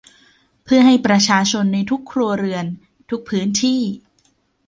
เพื่อให้ประชาชนในทุกครัวเรือนทุกพื้นที่